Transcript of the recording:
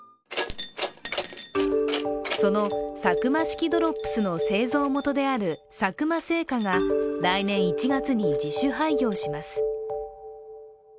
そのサクマ式ドロップスの製造元である佐久間製菓が来年１月に自主廃業します。